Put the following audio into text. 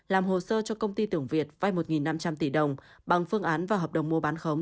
làm hồ sơ cho công ty tưởng việt vay một năm trăm linh tỷ đồng bằng phương án và hợp đồng mua bán khống